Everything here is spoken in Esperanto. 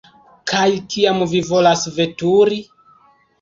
Kaj kiam vi volas veturi?